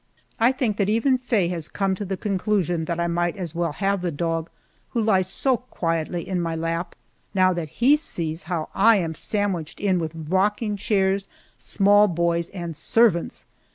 I think that even Faye has come to the conclusion that I might as well have the dog who lies so quietly in my lap now that he sees how I am sandwiched in with rocking chairs, small boys, and servants.